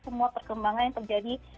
semua perkembangan yang terjadi